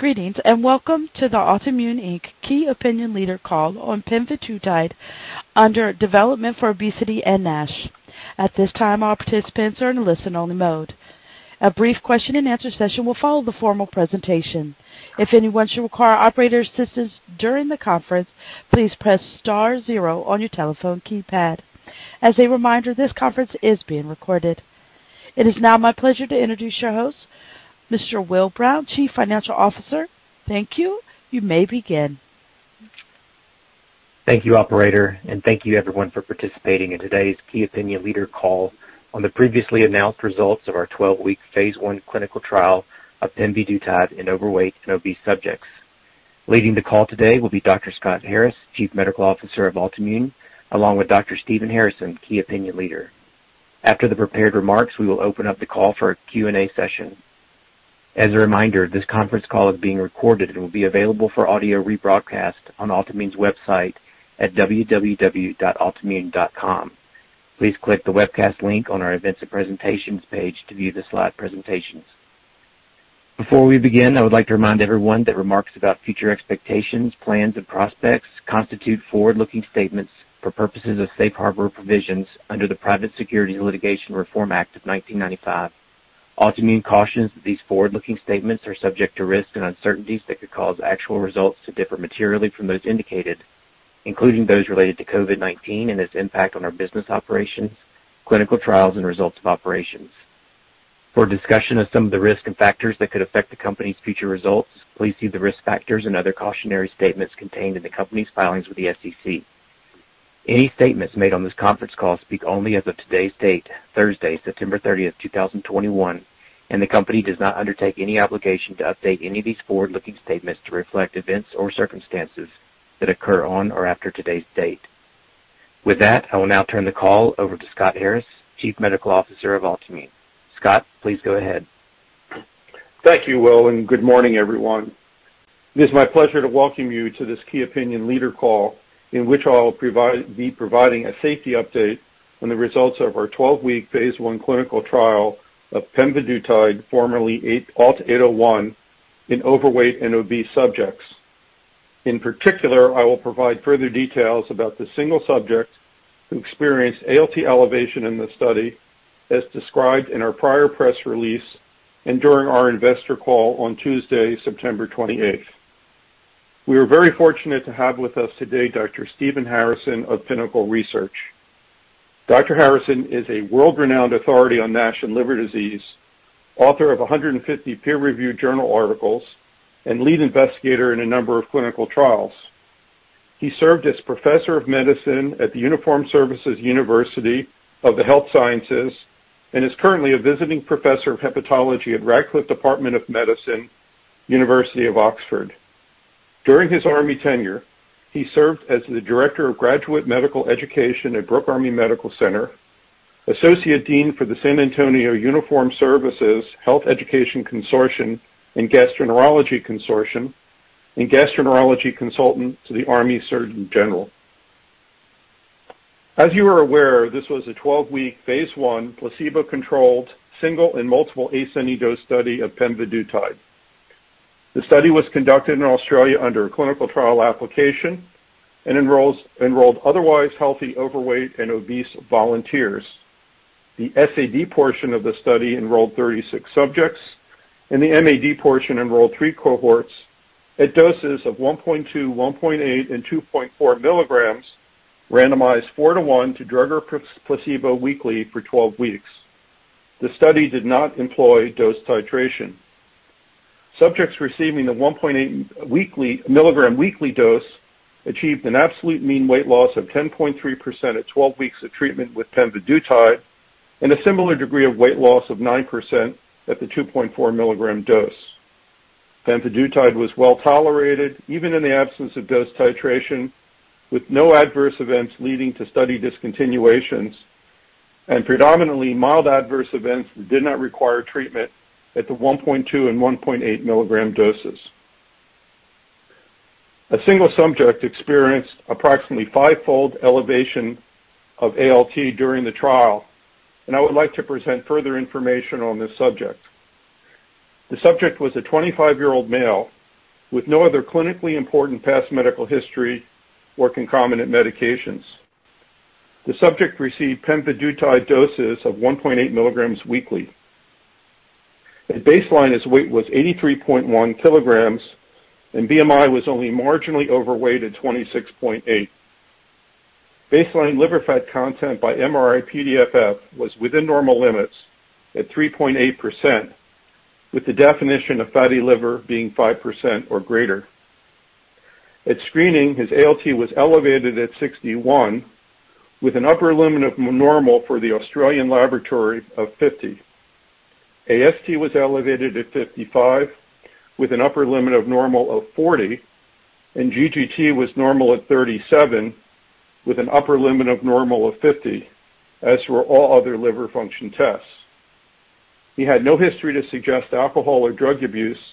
Greetings, and welcome to the Altimmune, Inc. Key Opinion Leader call on pemvidutide under development for obesity and NASH. At this time, all participants are in listen-only mode. A brief question and answer session will follow the formal presentation. If anyone should require operator assistance during the conference, please press star zero on your telephone keypad. As a reminder, this conference is being recorded. It is now my pleasure to introduce your host, Mr. Will Brown, Chief Financial Officer. Thank you. You may begin. Thank you, operator, and thank you everyone for participating in today's key opinion leader call on the previously announced results of our 12-week phase I clinical trial of pemvidutide in overweight and obese subjects. Leading the call today will be Dr. Scott Harris, Chief Medical Officer of Altimmune, along with Dr. Stephen Harrison, key opinion leader. After the prepared remarks, we will open up the call for a Q&A session. As a reminder, this conference call is being recorded and will be available for audio rebroadcast on Altimmune's website at www.altimmune.com. Please click the webcast link on our Events and Presentations page to view the slide presentations. Before we begin, I would like to remind everyone that remarks about future expectations, plans, and prospects constitute forward-looking statements for purposes of safe harbor provisions under the Private Securities Litigation Reform Act of 1995. Altimmune cautions that these forward-looking statements are subject to risks and uncertainties that could cause actual results to differ materially from those indicated, including those related to COVID-19 and its impact on our business operations, clinical trials, and results of operations. For a discussion of some of the risks and factors that could affect the company's future results, please see the risk factors and other cautionary statements contained in the company's filings with the SEC. Any statements made on this conference call speak only as of today's date, Thursday, 30th September, 2021, and the company does not undertake any obligation to update any of these forward-looking statements to reflect events or circumstances that occur on or after today's date. With that, I will now turn the call over to Scott Harris, Chief Medical Officer of Altimmune. Scott, please go ahead. Thank you, Will. Good morning, everyone. It is my pleasure to welcome you to this key opinion leader call, in which I'll be providing a safety update on the results of our 12-week phase I clinical trial of pemvidutide, formerly ALT-801, in overweight and obese subjects. In particular, I will provide further details about the single subject who experienced ALT elevation in the study, as described in our prior press release and during our investor call on Tuesday, 28th September. We are very fortunate to have with us today Dr. Stephen Harrison of Pinnacle Research. Dr. Harrison is a world-renowned authority on NASH and liver disease, author of 150 peer-reviewed journal articles, and lead investigator in a number of clinical trials. He served as Professor of Medicine at the Uniformed Services University of the Health Sciences and is currently a Visiting Professor of Hepatology at Radcliffe Department of Medicine, University of Oxford. During his Army tenure, he served as the Director of Graduate Medical Education at Brooke Army Medical Center, Associate Dean for the San Antonio Uniformed Services Health Education Consortium and Gastroenterology Consortium, and Gastroenterology Consultant to the Army Surgeon General. As you are aware, this was a 12-week, phase I, placebo-controlled single and multiple ascending dose study of pemvidutide. The study was conducted in Australia under a clinical trial application and enrolled otherwise healthy overweight and obese volunteers. The SAD portion of the study enrolled 36 subjects, and the MAD portion enrolled three cohorts at doses of 1.2, 1.8, and 2.4 milligrams randomized four to one to drug or placebo weekly for 12 weeks. The study did not employ dose titration. Subjects receiving the 1.8 mg weekly dose achieved an absolute mean weight loss of 10.3% at 12 weeks of treatment with pemvidutide and a similar degree of weight loss of 9% at the 2.4 mg dose. Pemvidutide was well-tolerated, even in the absence of dose titration, with no adverse events leading to study discontinuations and predominantly mild adverse events that did not require treatment at the 1.2 and 1.8 mg doses. A single subject experienced approximately five-fold elevation of ALT during the trial, and I would like to present further information on this subject. The subject was a 25-year-old male with no other clinically important past medical history or concomitant medications. The subject received pemvidutide doses of 1.8 mg weekly. At baseline, his weight was 83.1 kg, and BMI was only marginally overweight at 26.8. Baseline liver fat content by MRI-PDFF was within normal limits at 3.8%, with the definition of fatty liver being 5% or greater. At screening, his ALT was elevated at 61, with an upper limit of normal for the Australian laboratory of 50. AST was elevated at 55, with an upper limit of normal of 40, and GGT was normal at 37, with an upper limit of normal of 50, as were all other liver function tests. He had no history to suggest alcohol or drug abuse,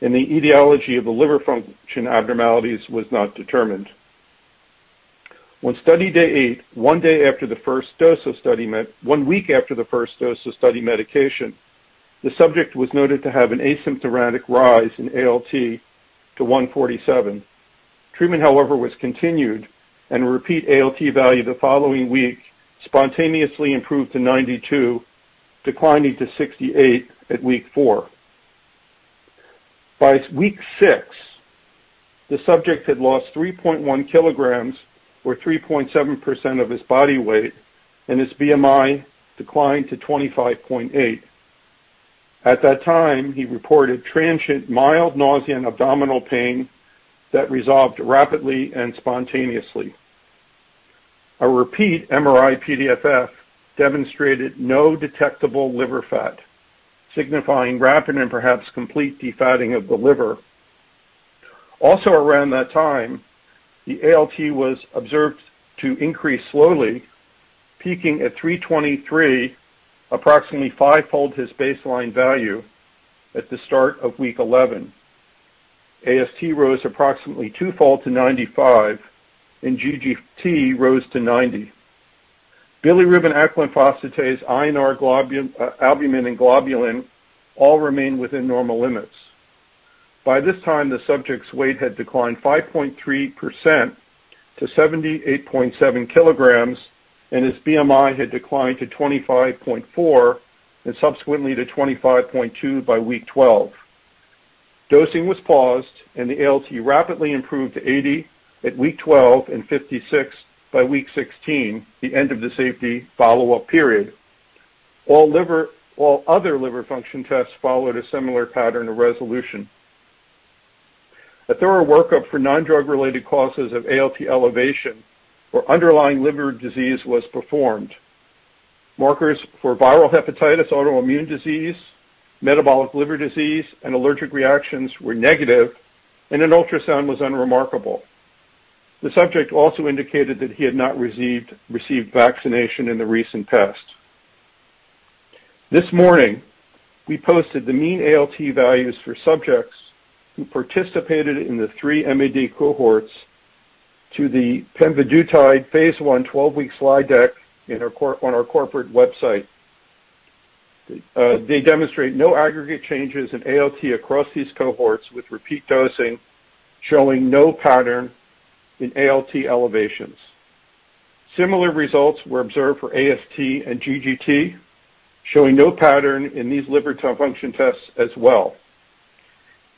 and the etiology of the liver function abnormalities was not determined. On study day 8, 1 week after the first dose of study medication, the subject was noted to have an asymptomatic rise in ALT to 147. Treatment, however, was continued, and a repeat ALT value the following week spontaneously improved to 92, declining to 68 at week 4. By week six, the subject had lost 3.1 kilograms or 3.7% of his body weight, and his BMI declined to 25.8. At that time, he reported transient mild nausea and abdominal pain that resolved rapidly and spontaneously. A repeat MRI-PDFF demonstrated no detectable liver fat, signifying rapid and perhaps complete defatting of the liver. Also around that time, the ALT was observed to increase slowly, peaking at 323, approximately 5-fold his baseline value at the start of week 11. AST rose approximately 2-fold to 95, and GGT rose to 90. Bilirubin, alkaline phosphatase, INR, albumin, and globulin all remain within normal limits. By this time, the subject's weight had declined 5.3% to 78.7 kilograms, and his BMI had declined to 25.4 and subsequently to 25.2 by week 12. Dosing was paused, and the ALT rapidly improved to 80 at week 12 and 56 by week 16, the end of the safety follow-up period. All other liver function tests followed a similar pattern of resolution. A thorough workup for non-drug related causes of ALT elevation or underlying liver disease was performed. Markers for viral hepatitis, autoimmune disease, metabolic liver disease, and allergic reactions were negative, and an ultrasound was unremarkable. The subject also indicated that he had not received vaccination in the recent past. This morning, we posted the mean ALT values for subjects who participated in the 3 MAD cohorts to the pemvidutide phase I 12-week slide deck on our corporate website. They demonstrate no aggregate changes in ALT across these cohorts, with repeat dosing showing no pattern in ALT elevations. Similar results were observed for AST and GGT, showing no pattern in these liver function tests as well.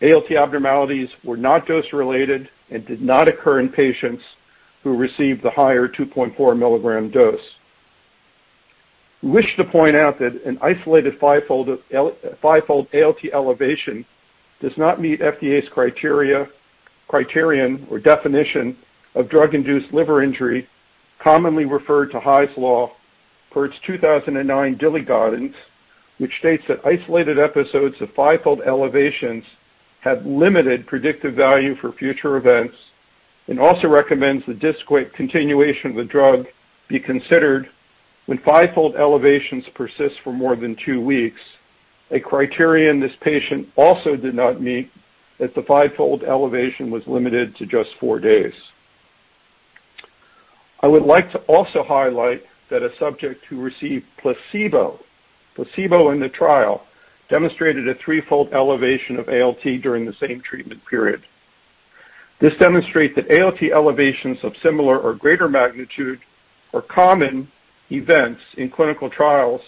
ALT abnormalities were not dose related and did not occur in patients who received the higher 2.4 mg dose. We wish to point out that an isolated 5-fold ALT elevation does not meet FDA's criterion or definition of drug-induced liver injury, commonly referred to Hy's Law, per its 2009 DILI guidance, which states that isolated episodes of 5-fold elevations have limited predictive value for future events and also recommends the discrete continuation of the drug be considered when 5-fold elevations persist for more than two weeks, a criterion this patient also did not meet as the 5-fold elevation was limited to just four days. I would like to also highlight that a subject who received placebo in the trial demonstrated a 3-fold elevation of ALT during the same treatment period. This demonstrates that ALT elevations of similar or greater magnitude are common events in clinical trials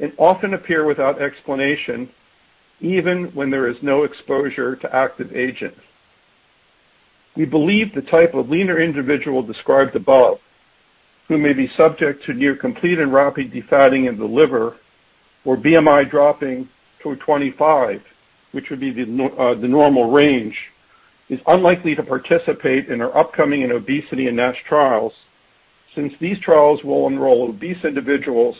and often appear without explanation even when there is no exposure to active agent. We believe the type of leaner individual described above, who may be subject to near complete and rapid defatting of the liver or BMI dropping to a 25, which would be the normal range, is unlikely to participate in our upcoming obesity and NASH trials since these trials will enroll obese individuals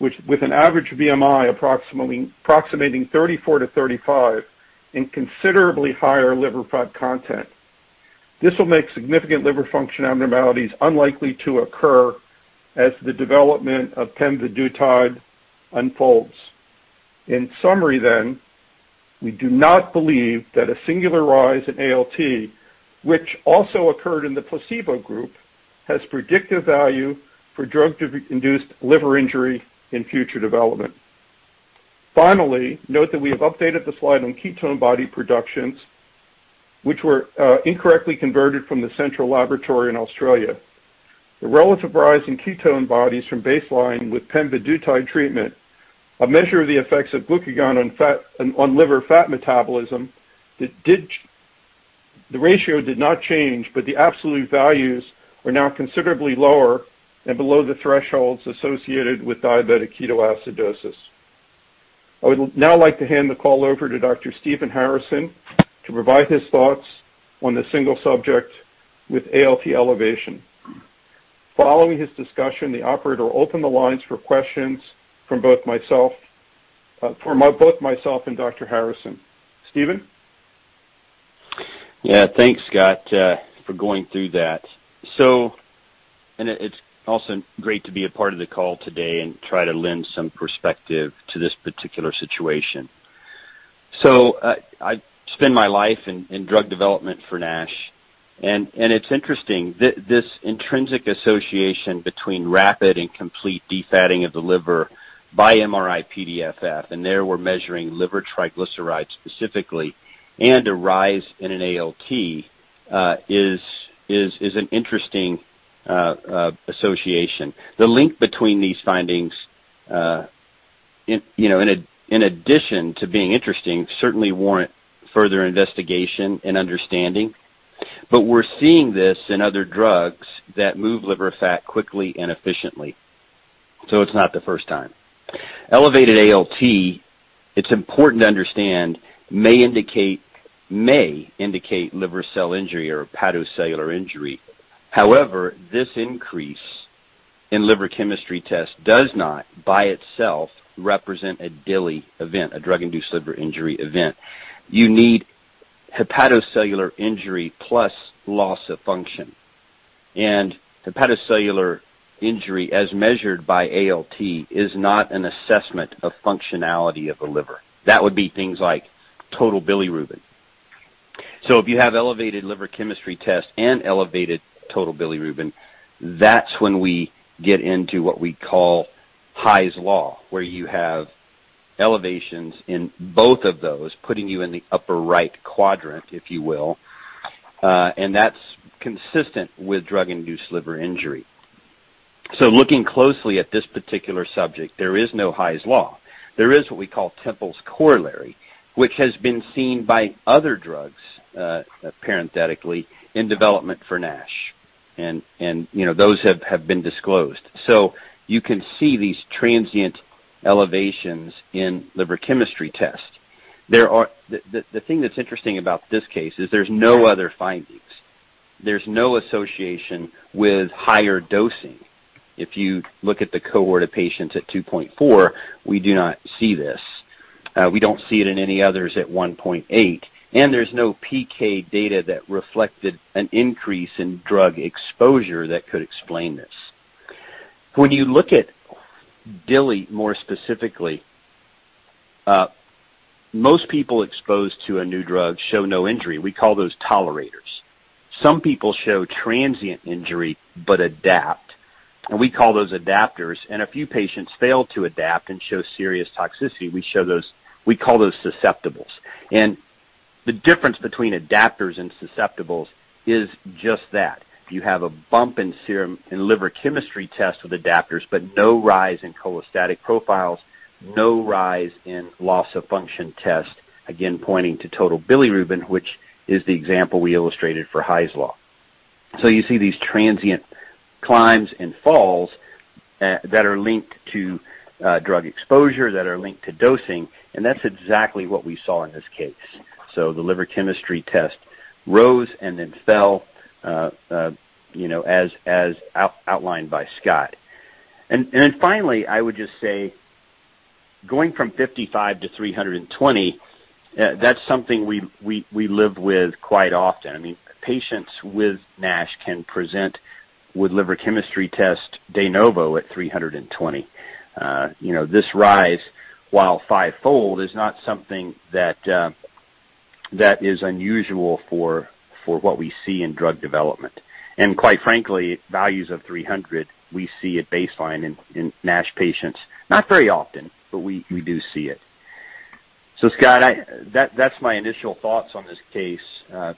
with an average BMI approximating 34-35 and considerably higher liver fat content. This will make significant liver function abnormalities unlikely to occur as the development of pemvidutide unfolds. In summary, we do not believe that a singular rise in ALT, which also occurred in the placebo group, has predictive value for drug-induced liver injury in future development. Finally, note that we have updated the slide on ketone body productions, which were incorrectly converted from the central laboratory in Australia. The relative rise in ketone bodies from baseline with pemvidutide treatment, a measure of the effects of glucagon on liver fat metabolism, the ratio did not change, but the absolute values are now considerably lower and below the thresholds associated with diabetic ketoacidosis. I would now like to hand the call over to Dr. Stephen Harrison to provide his thoughts on the one subject with ALT elevation. Following his discussion, the operator will open the lines for questions from both myself and Dr. Harrison. Stephen? Yeah. Thanks, Scott, for going through that. It's also great to be a part of the call today and try to lend some perspective to this particular situation. I spend my life in drug development for NASH, and it's interesting, this intrinsic association between rapid and complete defatting of the liver by MRI-PDFF, and there we're measuring liver triglycerides specifically, and a rise in an ALT is an interesting association. The link between these findings, in addition to being interesting, certainly warrant further investigation and understanding. We're seeing this in other drugs that move liver fat quickly and efficiently. It's not the first time. Elevated ALT, it's important to understand, may indicate liver cell injury or hepatocellular injury. However, this increase in liver chemistry test does not by itself represent a DILI event, a drug-induced liver injury event. You need hepatocellular injury plus loss of function. Hepatocellular injury, as measured by ALT, is not an assessment of functionality of the liver. That would be things like total bilirubin. If you have elevated liver chemistry test and elevated total bilirubin, that's when we get into what we call Hy's Law, where you have elevations in both of those, putting you in the upper right quadrant, if you will. That's consistent with drug-induced liver injury. Looking closely at this particular subject, there is no Hy's Law. There is what we call Temple's Corollary, which has been seen by other drugs, parenthetically, in development for NASH. Those have been disclosed. You can see these transient elevations in liver chemistry test. The thing that's interesting about this case is there's no other findings. There's no association with higher dosing. If you look at the cohort of patients at 2.4, we do not see this. We don't see it in any others at 1.8, and there's no PK data that reflected an increase in drug exposure that could explain this. When you look at DILI, more specifically, most people exposed to a new drug show no injury. We call those tolerators. Some people show transient injury but adapt, and we call those adapters, and a few patients fail to adapt and show serious toxicity. We call those susceptibles. The difference between adapters and susceptibles is just that. You have a bump in serum in liver chemistry tests with adapters, but no rise in cholestatic profiles, no rise in loss of function test, again, pointing to total bilirubin, which is the example we illustrated for Hy's Law. You see these transient climbs and falls that are linked to drug exposure, that are linked to dosing, and that's exactly what we saw in this case. The liver chemistry test rose and then fell as outlined by Scott. Finally, I would just say, going from 55-320, that's something we live with quite often. I mean, patients with NASH can present with liver chemistry test de novo at 320. This rise, while 5-fold, is not something that is unusual for what we see in drug development. Quite frankly, values of 300, we see at baseline in NASH patients, not very often, but we do see it. Scott, that's my initial thoughts on this case.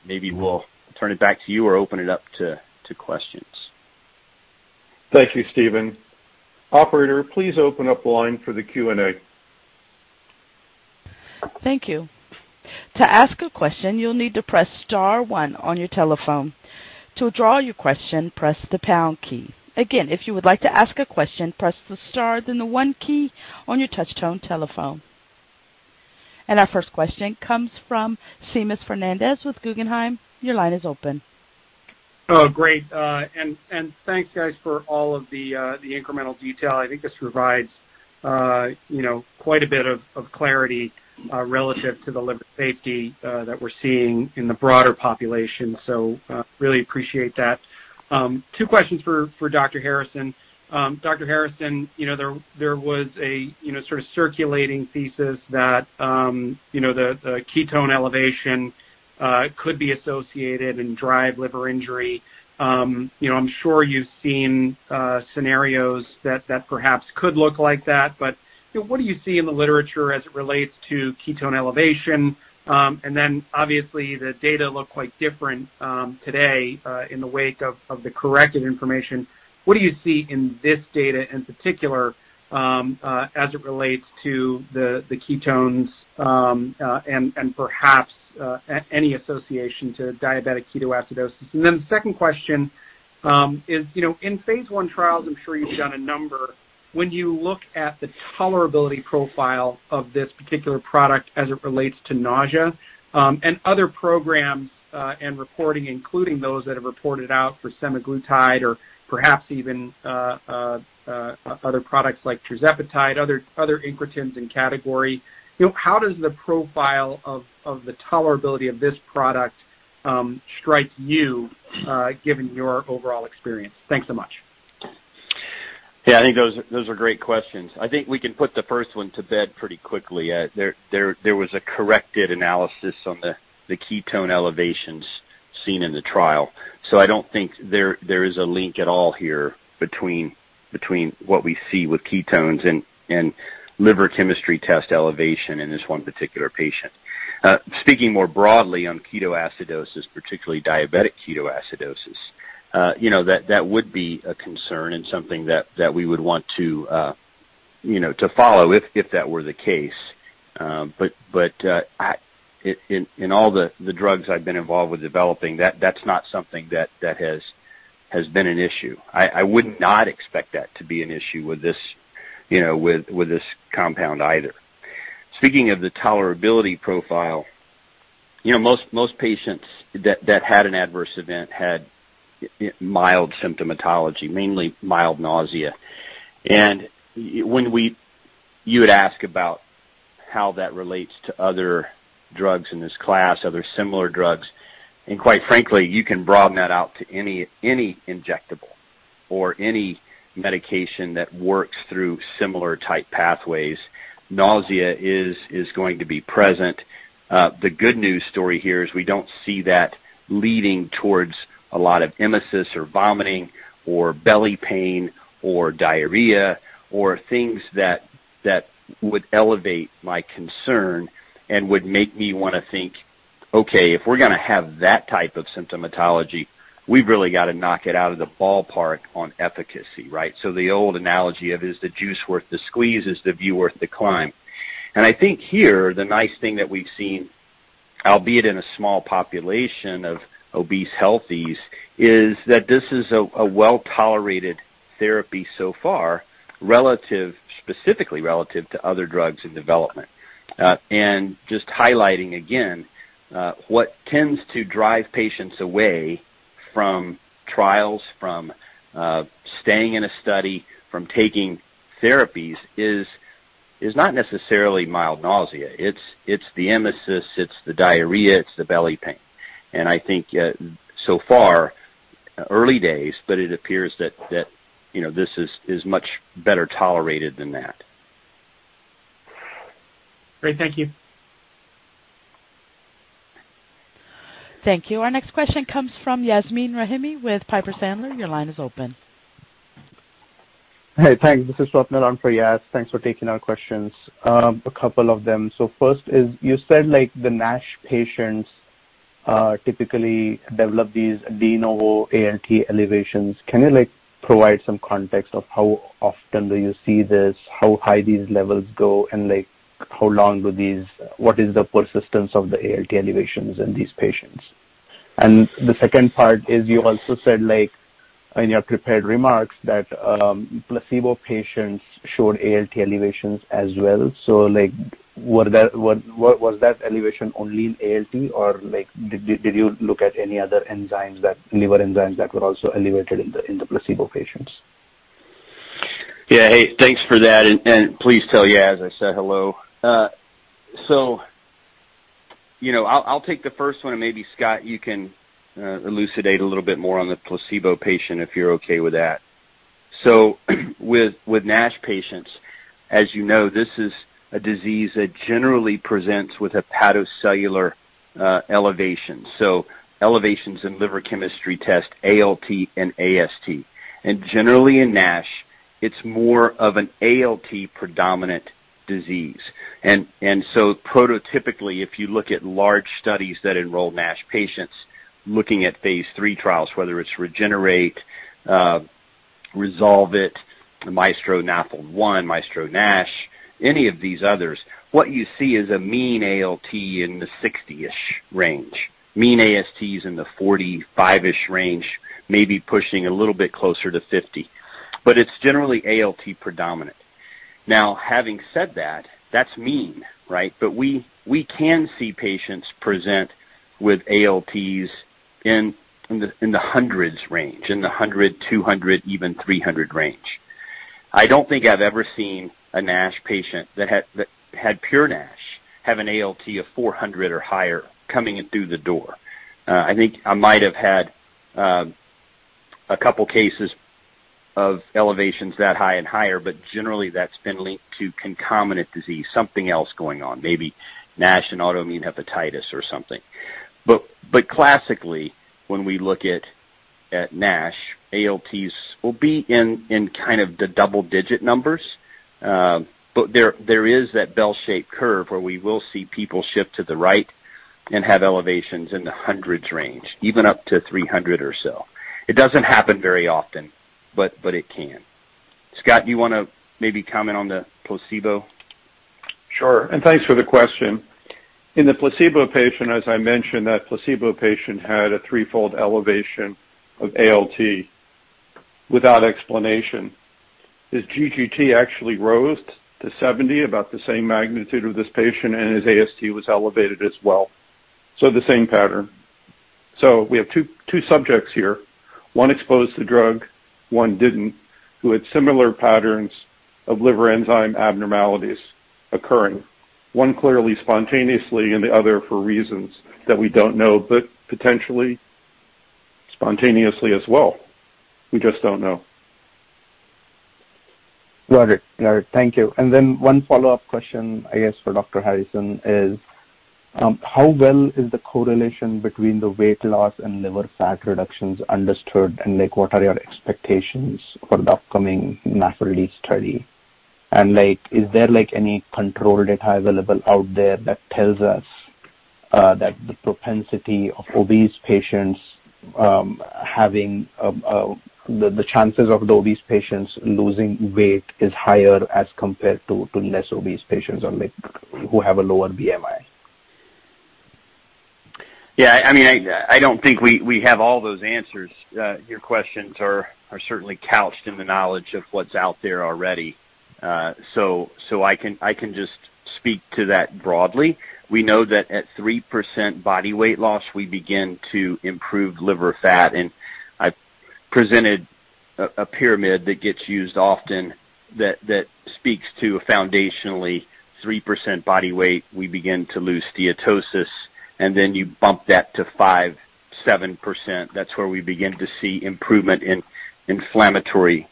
Maybe we'll turn it back to you or open it up to questions. Thank you, Stephen. Operator, please open up the line for the Q&A. Thank you. To ask a question, you will need to press star one on your telephone. To withdraw your question, press the pound key. Again, if you would like to ask a question, press the star, then the one key on your touch-tone telephone. Our first question comes from Seamus Fernandez with Guggenheim. Your line is open. Oh, great. Thanks, guys, for all of the incremental detail. I think this provides quite a bit of clarity relative to the liver safety that we're seeing in the broader population. Really appreciate that. two questions for Dr. Harrison. Dr. Harrison, there was a sort of circulating thesis that the ketone elevation could be associated and drive liver injury. I'm sure you've seen scenarios that perhaps could look like that, but what do you see in the literature as it relates to ketone elevation? Obviously the data look quite different today in the wake of the corrected information. What do you see in this data in particular as it relates to the ketones and perhaps any association to diabetic ketoacidosis? The second question is, in phase I trials, I'm sure you've done a number. When you look at the tolerability profile of this particular product as it relates to nausea and other programs and reporting, including those that have reported out for semaglutide or perhaps even other products like tirzepatide, other incretins in category, how does the profile of the tolerability of this product strike you given your overall experience? Thanks so much. Yeah, I think those are great questions. I think we can put the first one to bed pretty quickly. There was a corrected analysis on the ketone elevations seen in the trial. I don't think there is a link at all here between what we see with ketones and liver chemistry test elevation in this one particular patient. Speaking more broadly on ketoacidosis, particularly diabetic ketoacidosis, that would be a concern and something that we would want to follow if that were the case. In all the drugs I've been involved with developing, that's not something that has been an issue. I would not expect that to be an issue with this compound either. Speaking of the tolerability profile, most patients that had an adverse event had mild symptomatology, mainly mild nausea. You would ask about how that relates to other drugs in this class, other similar drugs. Quite frankly, you can broaden that out to any injectable or any medication that works through similar type pathways. Nausea is going to be present. The good news story here is we don't see that leading towards a lot of emesis or vomiting or belly pain or diarrhea or things that would elevate my concern and would make me want to think, Okay, if we're going to have that type of symptomatology, we've really got to knock it out of the ballpark on efficacy, right? The old analogy of, is the juice worth the squeeze? Is the view worth the climb? I think here, the nice thing that we've seen, albeit in a small population of obese healthies, is that this is a well-tolerated therapy so far, specifically relative to other drugs in development. Just highlighting again, what tends to drive patients away from trials, from staying in a study, from taking therapies is not necessarily mild nausea. It's the emesis, it's the diarrhea, it's the belly pain. I think so far, early days, but it appears that this is much better tolerated than that. Great. Thank you. Thank you. Our next question comes from Yasmeen Rahimi with Piper Sandler. Your line is open. Hey, thanks. This is Swapnil on for Yas. Thanks for taking our questions, a couple of them. First is, you said the NASH patients typically develop these de novo ALT elevations. Can you provide some context of how often do you see this, how high these levels go, and what is the persistence of the ALT elevations in these patients? The second part is, you also said in your prepared remarks that placebo patients showed ALT elevations as well. Was that elevation only in ALT, or did you look at any other liver enzymes that were also elevated in the placebo patients? Yeah. Hey, thanks for that. Please tell Yas I said hello. I'll take the first one, and maybe Scott, you can elucidate a little bit more on the placebo patient, if you're okay with that. With NASH patients, as you know, this is a disease that generally presents with hepatocellular elevation. Elevations in liver chemistry test, ALT and AST. Generally in NASH, it's more of an ALT-predominant disease. Prototypically, if you look at large studies that enroll NASH patients, looking at phase III trials, whether it's REGENERATE, RESOLVE-IT, MAESTRO-NAFLD-1, MAESTRO-NASH, any of these others, what you see is a mean ALT in the 60-ish range. Mean AST is in the 45-ish range, maybe pushing a little bit closer to 50. It's generally ALT predominant. Having said that's mean, right? We can see patients present with ALTs in the hundreds range, in the 100, 200, even 300 range. I don't think I've ever seen a NASH patient that had pure NASH have an ALT of 400 or higher coming in through the door. I think I might have had a couple cases of elevations that high and higher, but generally, that's been linked to concomitant disease, something else going on, maybe NASH and autoimmune hepatitis or something. Classically, when we look at NASH, ALTs will be in kind of the double-digit numbers. There is that bell-shaped curve where we will see people shift to the right and have elevations in the hundreds range, even up to 300 or so. It doesn't happen very often, but it can. Scott, do you want to maybe comment on the placebo? Sure. Thanks for the question. In the placebo patient, as I mentioned, that placebo patient had a threefold elevation of ALT without explanation. His GGT actually rose to 70, about the same magnitude of this patient, and his AST was elevated as well. The same pattern. We have two subjects here. One exposed to drug, one didn't, who had similar patterns of liver enzyme abnormalities occurring. One clearly spontaneously and the other for reasons that we don't know. spontaneously as well. We just don't know. Got it. Thank you. Then one follow-up question, I guess, for Dr. Harrison is how well is the correlation between the weight loss and liver fat reductions understood, and what are your expectations for the upcoming NASH RELIEF study? Is there any control data available out there that tells us the chances of obese patients losing weight is higher as compared to less obese patients who have a lower BMI? Yeah. I don't think we have all those answers. Your questions are certainly couched in the knowledge of what's out there already. I can just speak to that broadly. We know that at 3% body weight loss, we begin to improve liver fat. I presented a pyramid that gets used often that speaks to a foundationally 3% body weight, we begin to lose steatosis, and then you bump that to 5%, 7%. That's where we begin to see improvement in inflammatory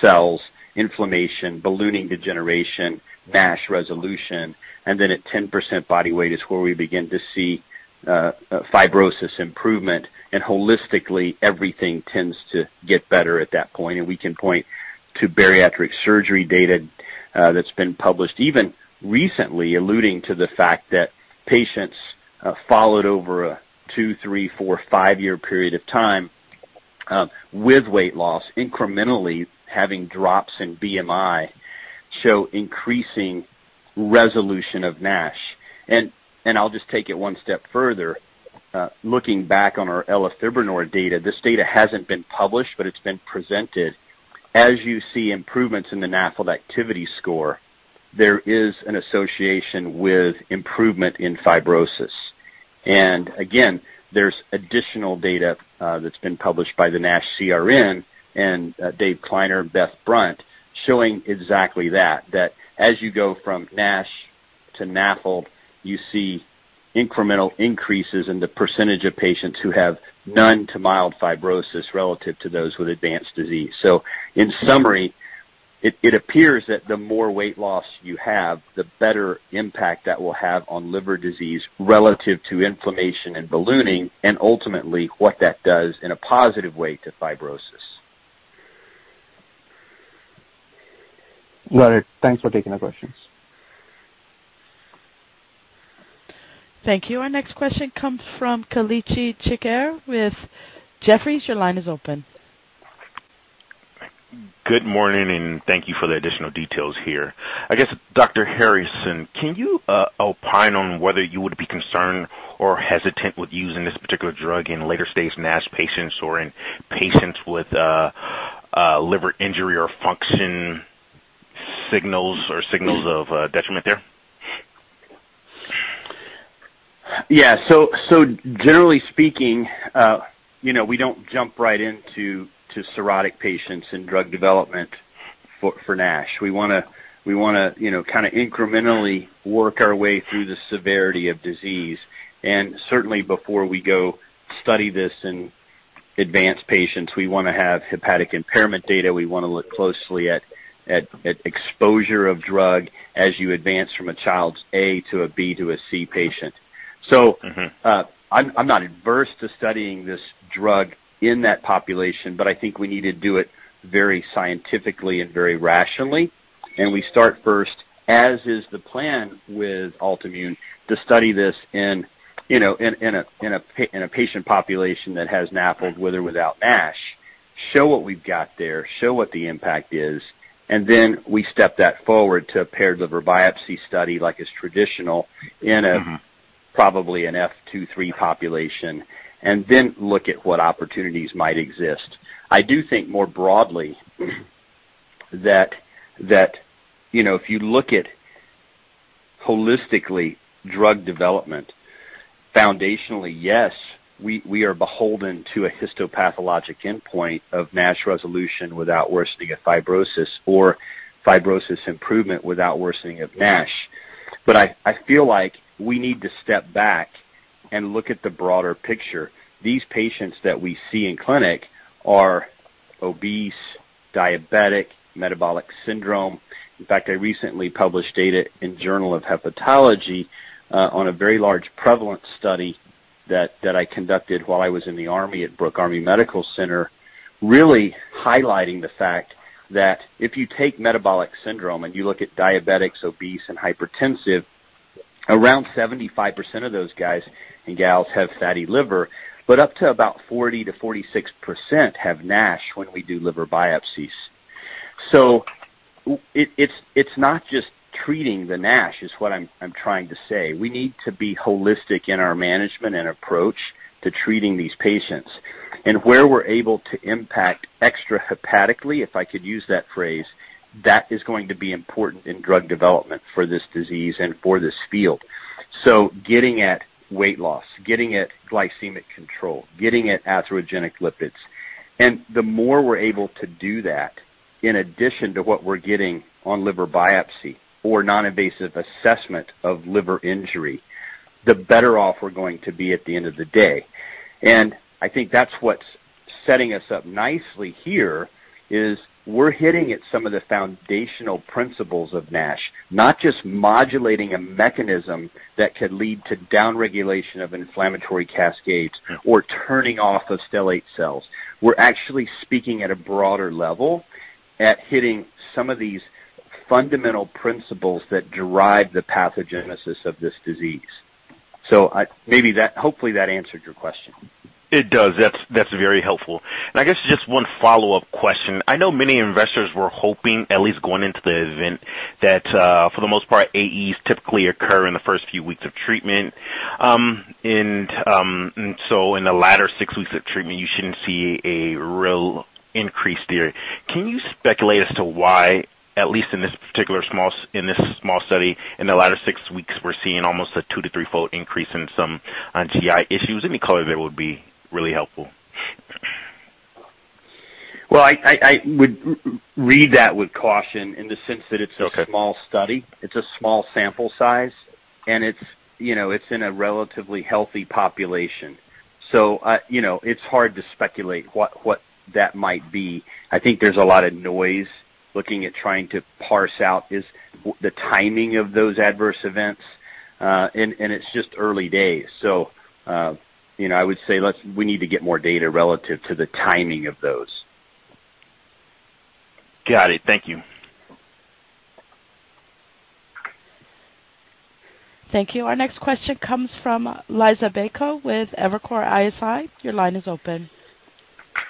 cells, inflammation, ballooning degeneration, NASH resolution. Then at 10% body weight is where we begin to see fibrosis improvement. Holistically, everything tends to get better at that point. We can point to bariatric surgery data that's been published even recently, alluding to the fact that patients followed over a two, three, four, five-year period of time with weight loss, incrementally having drops in BMI show increasing resolution of NASH. I'll just take it one step further. Looking back on our elafibranor data, this data hasn't been published, but it's been presented. As you see improvements in the NAFLD activity score, there is an association with improvement in fibrosis. Again, there's additional data that's been published by the NASH CRN and David Kleiner and Elizabeth Brunt showing exactly that. That as you go from NASH to NAFLD, you see incremental increases in the percentage of patients who have none to mild fibrosis relative to those with advanced disease. In summary, it appears that the more weight loss you have, the better impact that will have on liver disease relative to inflammation and ballooning, and ultimately what that does in a positive way to fibrosis. Got it. Thanks for taking the questions. Thank you. Our next question comes from Kelechi Chikere with Jefferies. Your line is open. Good morning, thank you for the additional details here. I guess, Dr. Harrison, can you opine on whether you would be concerned or hesitant with using this particular drug in later-stage NASH patients or in patients with liver injury or function signals or signals of detriment there? Yeah. Generally speaking, we don't jump right into cirrhotic patients in drug development for NASH. We want to kind of incrementally work our way through the severity of disease. Certainly before we go study this in advanced patients, we want to have hepatic impairment data. We want to look closely at exposure of drug as you advance from a Child-Pugh A to a B to a C patient. I'm not adverse to studying this drug in that population, but I think we need to do it very scientifically and very rationally. We start first, as is the plan with Altimmune, to study this in a patient population that has NAFLD with or without NASH, show what we've got there, show what the impact is, and then we step that forward to a paired liver biopsy study like is traditional in. probably an F2-3 population, and then look at what opportunities might exist. I do think more broadly that if you look at holistically drug development, foundationally, yes, we are beholden to a histopathologic endpoint of NASH resolution without worsening of fibrosis or fibrosis improvement without worsening of NASH. I feel like we need to step back and look at the broader picture. These patients that we see in clinic are obese, diabetic, metabolic syndrome. In fact, I recently published data in Journal of Hepatology on a very large prevalent study that I conducted while I was in the Army at Brooke Army Medical Center, really highlighting the fact that if you take metabolic syndrome and you look at diabetics, obese, and hypertensive, around 75% of those guys and gals have fatty liver, but up to about 40%-46% have NASH when we do liver biopsies. It's not just treating the NASH is what I'm trying to say. We need to be holistic in our management and approach to treating these patients. Where we're able to impact extrahepatically, if I could use that phrase, that is going to be important in drug development for this disease and for this field. Getting at weight loss, getting at glycemic control, getting at atherogenic lipids. The more we're able to do that, in addition to what we're getting on liver biopsy or non-invasive assessment of liver injury, the better off we're going to be at the end of the day. I think that's what's setting us up nicely here, is we're hitting at some of the foundational principles of NASH, not just modulating a mechanism that could lead to downregulation of inflammatory cascades or turning off of stellate cells. We're actually speaking at a broader level at hitting some of these fundamental principles that derive the pathogenesis of this disease. Hopefully that answered your question. It does. That's very helpful. I guess just one follow-up question. I know many investors were hoping, at least going into the event, that, for the most part, AEs typically occur in the first few weeks of treatment. In the latter six weeks of treatment, you shouldn't see a real increase there. Can you speculate as to why, at least in this small study, in the latter six weeks, we're seeing almost a 2 to 3-fold increase in some GI issues? Any color there would be really helpful. Well, I would read that with caution in the sense that it's a small study. Okay. It's a small sample size, and it's in a relatively healthy population. It's hard to speculate what that might be. I think there's a lot of noise looking at trying to parse out the timing of those adverse events. It's just early days. I would say we need to get more data relative to the timing of those. Got it. Thank you. Thank you. Our next question comes from Liisa Bayko with Evercore ISI. Your line is open.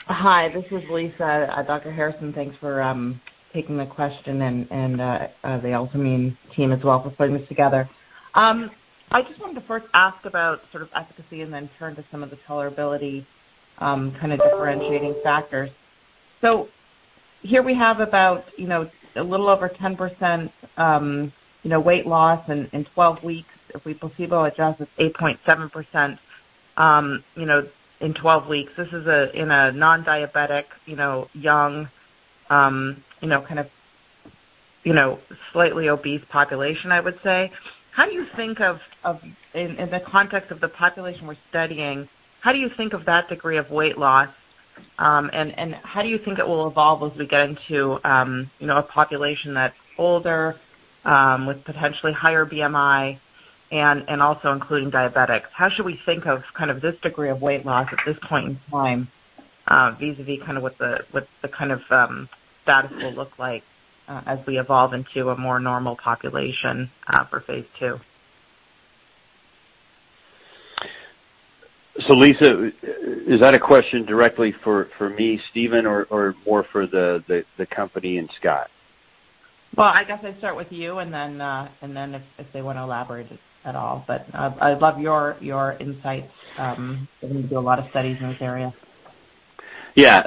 Hi, this is Liisa. Dr. Harrison, thanks for taking the question and the Altimmune team as well for putting this together. I just wanted to first ask about sort of efficacy and then turn to some of the tolerability kind of differentiating factors. Here we have about a little over 10% weight loss in 12 weeks. If we placebo adjust, it's 8.7% in 12 weeks. This is in a non-diabetic, young, kind of slightly obese population, I would say. In the context of the population we're studying, how do you think of that degree of weight loss, and how do you think it will evolve as we get into a population that's older, with potentially higher BMI and also including diabetics? How should we think of this degree of weight loss at this point in time, vis-a-vis what the kind of status will look like as we evolve into a more normal population for phase II? Liisa, is that a question directly for me, Stephen, or more for the company and Scott? I guess I'd start with you and then if they want to elaborate at all, but I'd love your insights, given you do a lot of studies in this area. Yeah.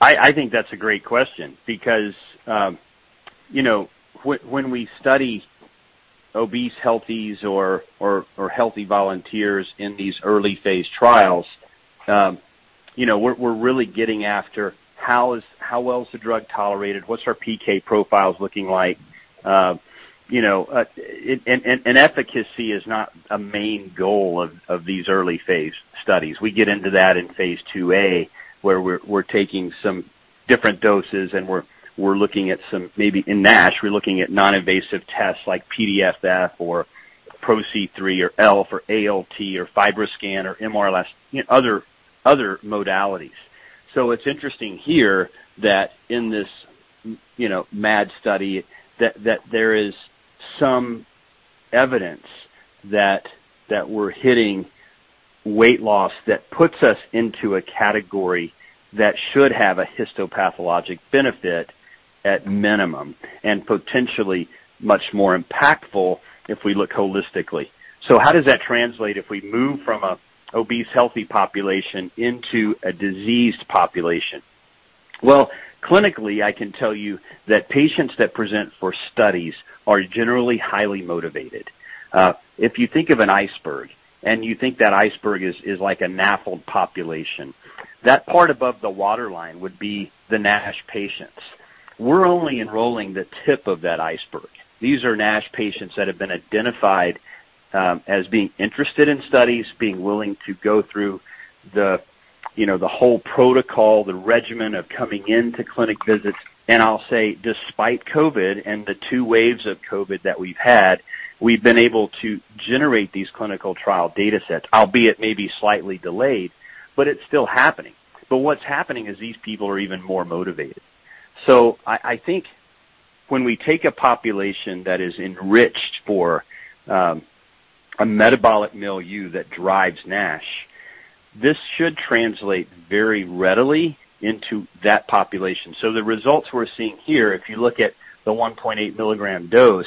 I think that's a great question because when we study obese healthies or healthy volunteers in these early phase trials, we're really getting after how well is the drug tolerated, what's our PK profiles looking like. Efficacy is not a main goal of these early phase studies. We get into that in phase II-A, where we're taking some different doses, and maybe in NASH, we're looking at non-invasive tests like PDFF or PRO-C3 or ELF or ALT or FibroScan or MRE, other modalities. It's interesting here that in this MAD study, that there is some evidence that we're hitting weight loss that puts us into a category that should have a histopathologic benefit at minimum, and potentially much more impactful if we look holistically. How does that translate if we move from an obese healthy population into a diseased population? Clinically, I can tell you that patients that present for studies are generally highly motivated. If you think of an iceberg and you think that iceberg is like a NAFLD population, that part above the waterline would be the NASH patients. We're only enrolling the tip of that iceberg. These are NASH patients that have been identified as being interested in studies, being willing to go through the whole protocol, the regimen of coming into clinic visits. I'll say, despite COVID and the two waves of COVID that we've had, we've been able to generate these clinical trial data sets, albeit maybe slightly delayed, but it's still happening. What's happening is these people are even more motivated. I think when we take a population that is enriched for a metabolic milieu that drives NASH, this should translate very readily into that population. The results we're seeing here, if you look at the 1.8 mg dose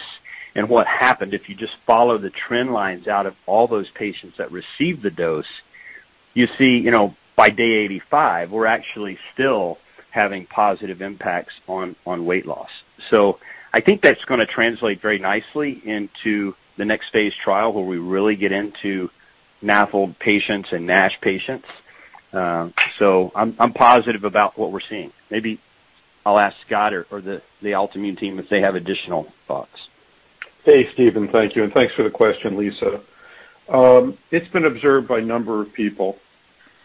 and what happened, if you just follow the trend lines out of all those patients that received the dose, you see by day 85, we're actually still having positive impacts on weight loss. I think that's going to translate very nicely into the next phase trial where we really get into NAFLD patients and NASH patients. I'm positive about what we're seeing. Maybe I'll ask Scott or the Altimmune team if they have additional thoughts. Hey, Stephen. Thank you, and thanks for the question, Liisa. It's been observed by a number of people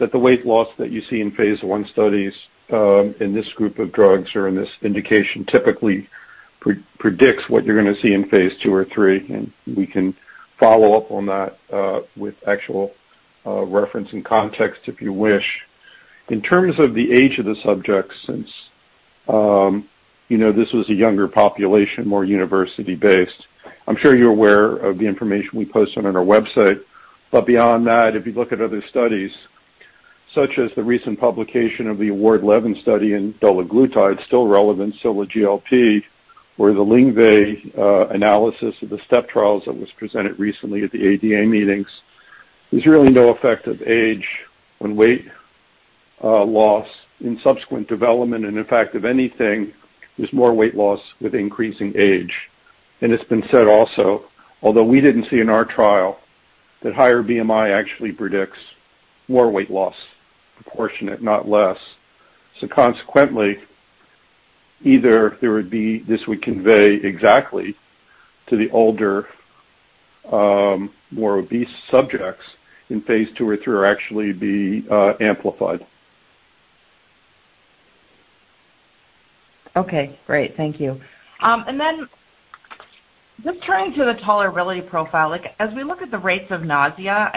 that the weight loss that you see in phase I studies in this group of drugs or in this indication typically predicts what you're going to see in phase II or III, and we can follow up on that with actual reference and context if you wish. In terms of the age of the subjects, since this was a younger population, more university-based. I'm sure you're aware of the information we posted on our website. Beyond that, if you look at other studies, such as the recent publication of the AWARD-11 study in dulaglutide, still relevant, still a GLP, or the Lingvay analysis of the STEP trials that was presented recently at the ADA meetings. There's really no effect of age on weight loss in subsequent development. In fact, if anything, there's more weight loss with increasing age. It's been said also, although we didn't see in our trial, that higher BMI actually predicts more weight loss proportionate, not less. Consequently, either this would convey exactly to the older, more obese subjects in phase II or III, or actually be amplified. Okay, great. Thank you. Then just turning to the tolerability profile, as we look at the rates of nausea,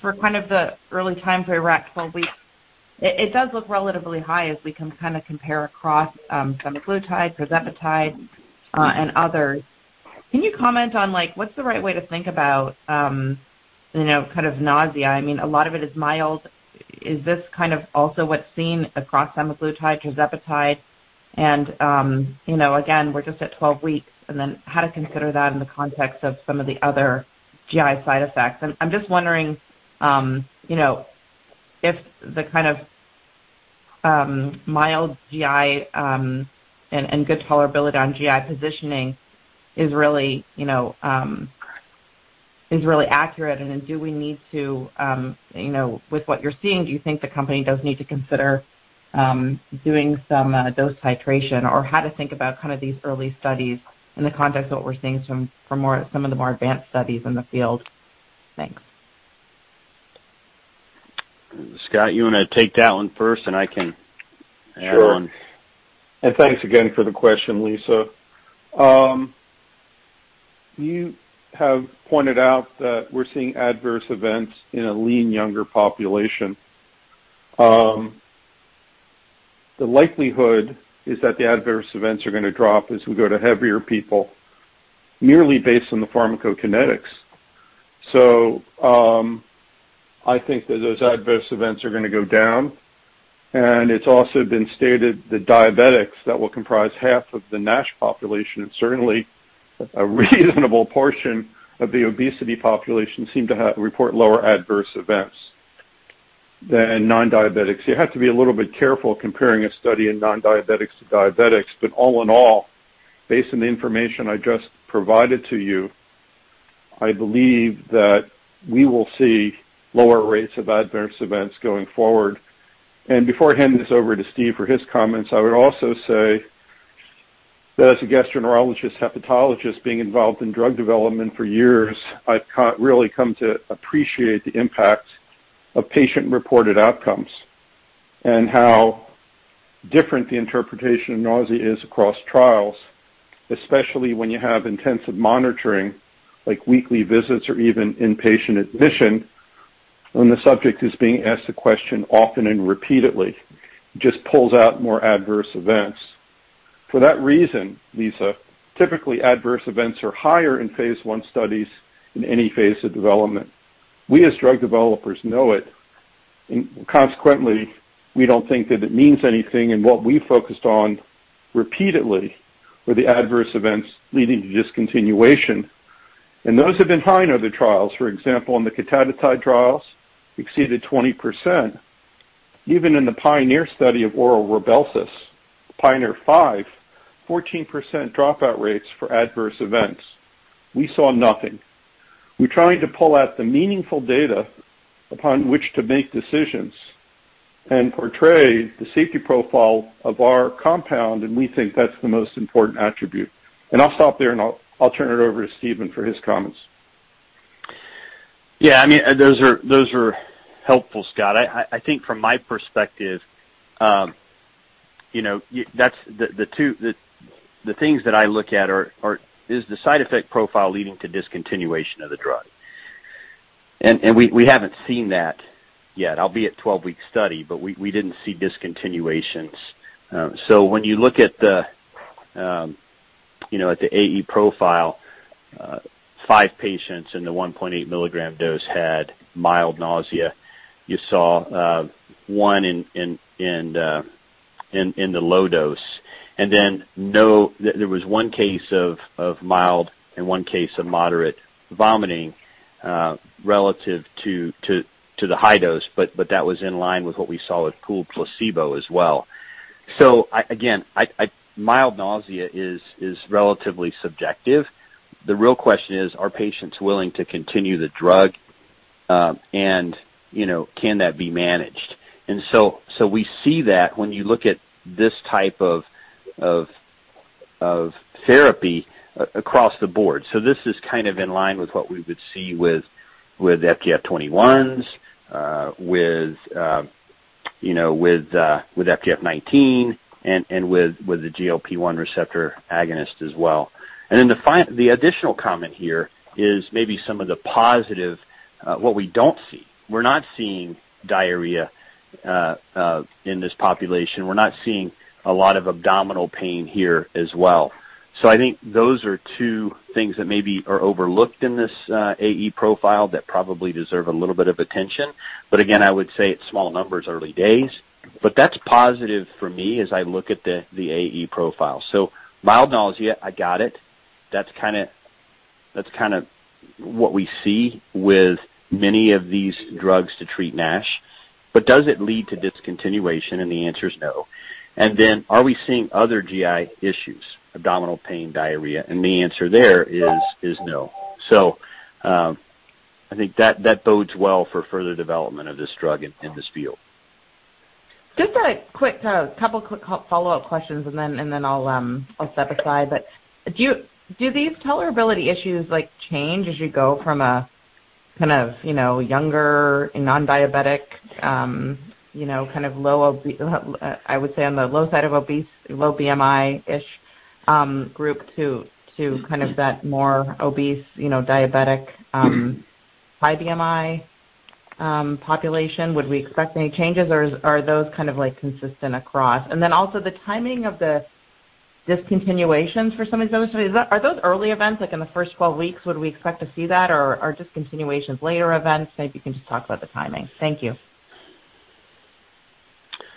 for kind of the early time for 12 weeks, it does look relatively high as we can compare across semaglutide, tirzepatide, and others. Can you comment on what's the right way to think about kind of nausea? A lot of it is mild. Is this kind of also what's seen across semaglutide, tirzepatide, and again, we're just at 12 weeks, and then how to consider that in the context of some of the other GI side effects. I'm just wondering if the kind of mild GI and good tolerability on GI positioning is really accurate. Do we need to, with what you're seeing, do you think the company does need to consider doing some dose titration or how to think about these early studies in the context of what we're seeing for some of the more advanced studies in the field? Thanks. Scott, you want to take that one first, and I can add on. Sure. Thanks again for the question, Liisa. You have pointed out that we're seeing adverse events in a lean, younger population. The likelihood is that the adverse events are going to drop as we go to heavier people merely based on the pharmacokinetics. I think that those adverse events are going to go down, and it's also been stated that diabetics that will comprise half of the NASH population and certainly a reasonable portion of the obesity population seem to report lower adverse events than non-diabetics. You have to be a little bit careful comparing a study in non-diabetics to diabetics, but all in all, based on the information I just provided to you, I believe that we will see lower rates of adverse events going forward. Before I hand this over to Stephen Harrison for his comments, I would also say that as a gastroenterologist hepatologist being involved in drug development for years, I've really come to appreciate the impact of patient-reported outcomes and how different the interpretation of nausea is across trials, especially when you have intensive monitoring, like weekly visits or even inpatient admission, when the subject is being asked a question often and repeatedly. It just pulls out more adverse events. For that reason, Liisa Bayko, typically adverse events are higher in phase I studies in any phase of development. We, as drug developers, know it, and consequently, we don't think that it means anything, and what we focused on repeatedly were the adverse events leading to discontinuation. Those have been high in other trials. For example, in the cotadutide trials, exceeded 20%. Even in the PIONEER study of oral RYBELSUS, PIONEER 5, 14% dropout rates for adverse events. We saw nothing. We're trying to pull out the meaningful data upon which to make decisions and portray the safety profile of our compound, and we think that's the most important attribute. I'll stop there, and I'll turn it over to Stephen for his comments. Yeah. Those are helpful, Scott. I think from my perspective, the things that I look at are, is the side effect profile leading to discontinuation of the drug. We haven't seen that yet, albeit 12-week study, but we didn't see discontinuations. When you look at the AE profile, five patients in the 1.8 milligram dose had mild nausea. You saw one in the low dose. There was one case of mild and one case of moderate vomiting, relative to the high dose, but that was in line with what we saw with pooled placebo as well. Again, mild nausea is relatively subjective. The real question is, are patients willing to continue the drug? Can that be managed? We see that when you look at this type of therapy across the board. This is kind of in line with what we would see with FGF21s, with FGF19, and with the GLP-1 receptor agonist as well. The additional comment here is maybe some of the positive, what we don't see. We're not seeing diarrhea in this population. We're not seeing a lot of abdominal pain here as well. I think those are two things that maybe are overlooked in this AE profile that probably deserve a little bit of attention. Again, I would say it's small numbers, early days, but that's positive for me as I look at the AE profile. Mild nausea, I got it. That's kind of what we see with many of these drugs to treat NASH. Does it lead to discontinuation? The answer is no. Are we seeing other GI issues, abdominal pain, diarrhea? The answer there is no. I think that bodes well for further development of this drug in this field. Just a couple quick follow-up questions, and then I'll step aside. Do these tolerability issues change as you go from a kind of younger, non-diabetic, kind of, I would say on the low side of obese, low BMI-ish, group to kind of that more obese diabetic, high BMI population? Would we expect any changes, or are those kind of consistent across? Also the timing of the discontinuations for some of these other studies. Are those early events, like in the first 12 weeks, would we expect to see that, or are discontinuations later events? Maybe you can just talk about the timing. Thank you.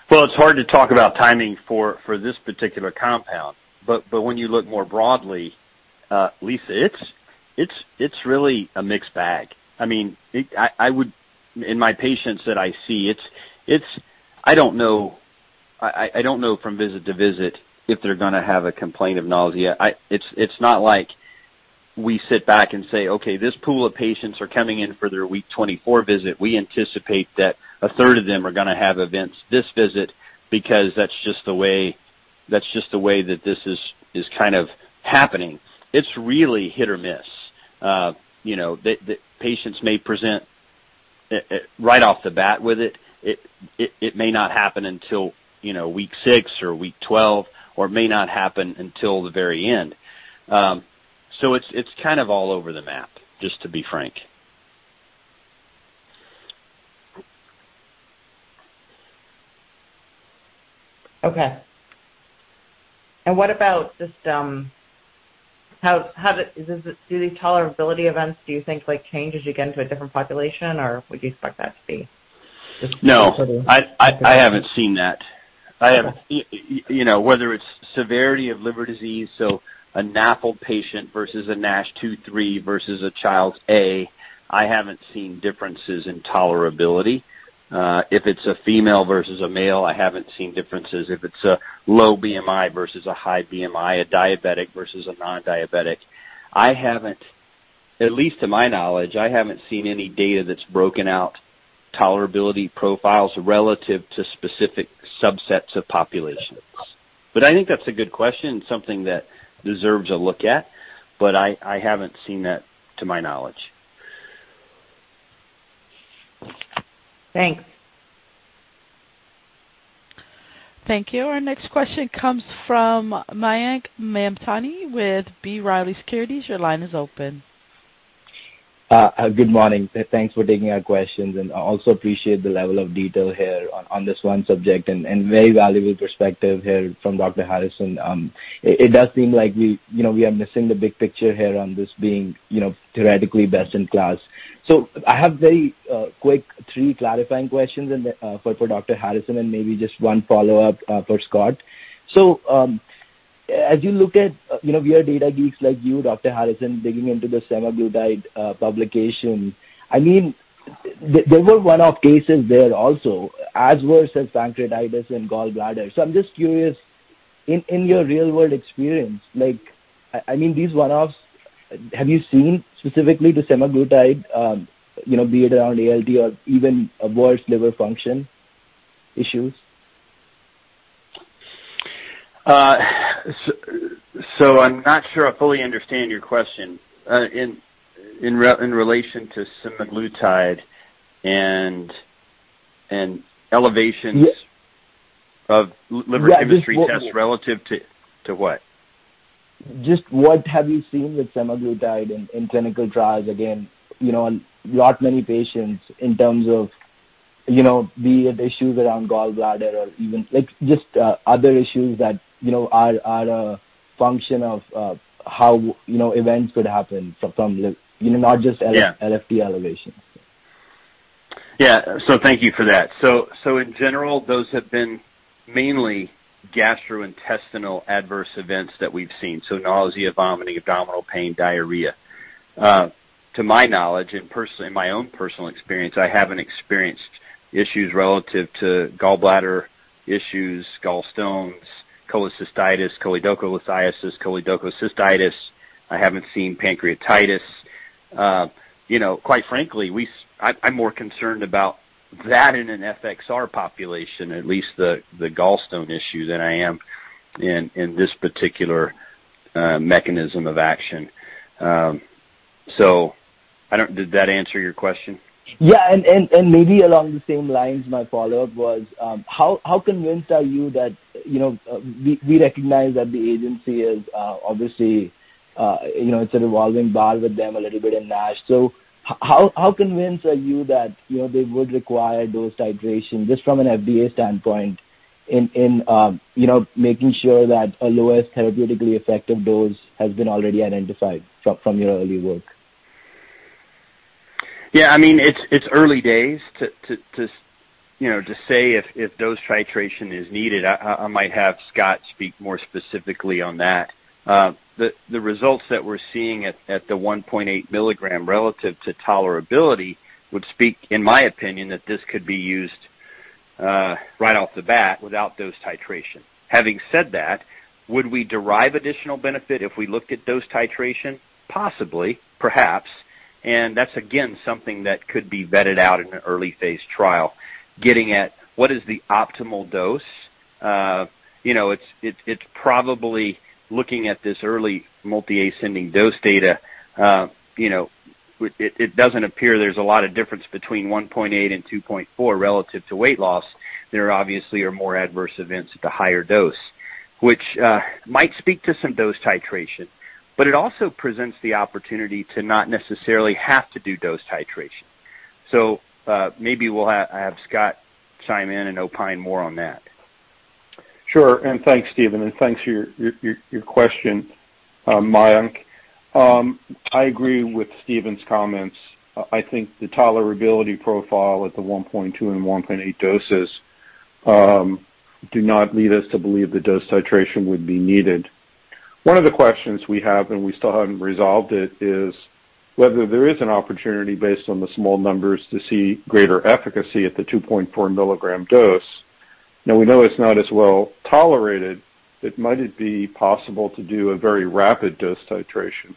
Well, it's hard to talk about timing for this particular compound. When you look more broadly, Liisa, it's really a mixed bag. In my patients that I see, I don't know from visit to visit if they're going to have a complaint of nausea. It's not like we sit back and say, "Okay, this pool of patients are coming in for their week 24 visit. We anticipate that a third of them are going to have events this visit because that's just the way that this is kind of happening." It's really hit or miss. Patients may present right off the bat with it. It may not happen until week six or week 12, or it may not happen until the very end. It's kind of all over the map, just to be frank. Okay. What about just, do these tolerability events, do you think, change as you get into a different population, or would you expect that? No. I haven't seen that. Okay. Whether it's severity of liver disease, so a NAFLD patient versus a NASH 2, 3, versus a Child-Pugh A, I haven't seen differences in tolerability. If it's a female versus a male, I haven't seen differences. If it's a low BMI versus a high BMI, a diabetic versus a non-diabetic. At least to my knowledge, I haven't seen any data that's broken out tolerability profiles relative to specific subsets of populations. I think that's a good question, something that deserves a look at, but I haven't seen that to my knowledge. Thanks. Thank you. Our next question comes from Mayank Mamtani with B. Riley Securities. Your line is open. Good morning. Thanks for taking our questions, and also appreciate the level of detail here on this one subject and very valuable perspective here from Dr. Harrison. It does seem like we are missing the big picture here on this being theoretically best in class. I have very quick three clarifying questions for Dr. Harrison and maybe just one follow-up for Scott. As you look at your data, geeks like you, Dr. Harrison, digging into the semaglutide publication. There were one-off cases there also, adverse as pancreatitis and gallbladder. I'm just curious, in your real-world experience, these one-offs, have you seen specifically the semaglutide, be it around ALT or even worse liver function issues? I'm not sure I fully understand your question. In relation to semaglutide and elevations of liver chemistry tests relative to what? Just what have you seen with semaglutide in clinical trials? Again, not many patients in terms of, be it issues around gallbladder or even just other issues that are a function of how events could happen from not just LFT elevations. Yeah. Thank you for that. In general, those have been mainly gastrointestinal adverse events that we've seen. Nausea, vomiting, abdominal pain, diarrhea. To my knowledge, in my own personal experience, I haven't experienced issues relative to gallbladder issues, gallstones, cholecystitis, choledocholithiasis, choledochocystitis. I haven't seen pancreatitis. Quite frankly, I'm more concerned about that in an FXR population, at least the gallstone issue, than I am in this particular mechanism of action. Did that answer your question? Yeah. Maybe along the same lines, my follow-up was, how convinced are you that, we recognize that the agency is obviously, it's a revolving door with them a little bit in NASH, so how convinced are you that they would require dose titration, just from an FDA standpoint, in making sure that a lowest therapeutically effective dose has been already identified from your early work? Yeah. It's early days to say if dose titration is needed. I might have Scott speak more specifically on that. The results that we're seeing at the 1.8 milligram relative to tolerability would speak, in my opinion, that this could be used right off the bat without dose titration. Having said that, would we derive additional benefit if we looked at dose titration? Possibly. Perhaps. That's, again, something that could be vetted out in an early-phase trial, getting at what is the optimal dose. It's probably looking at this early multi-ascending dose data. It doesn't appear there's a lot of difference between 1.8 and 2.4 relative to weight loss. There obviously are more adverse events at the higher dose, which might speak to some dose titration, but it also presents the opportunity to not necessarily have to do dose titration. Maybe we'll have Scott chime in and opine more on that. Sure. Thanks, Stephen, and thanks for your question, Mayank. I agree with Stephen's comments. I think the tolerability profile at the 1.2 and 1.8 doses do not lead us to believe the dose titration would be needed. One of the questions we have, and we still haven't resolved it, is whether there is an opportunity based on the small numbers to see greater efficacy at the 2.4 milligram dose. Now, we know it's not as well tolerated, might it be possible to do a very rapid dose titration